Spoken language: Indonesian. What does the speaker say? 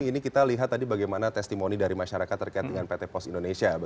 ini kita lihat tadi bagaimana testimoni dari masyarakat terkait dengan pt pos indonesia